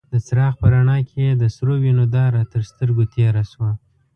د څراغ په رڼا کې يې د سرو وينو داره تر سترګو تېره شوه.